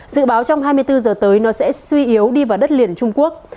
dự báo trong hai mươi bốn giờ tới nó sẽ suy yếu đi vào đất liền trung quốc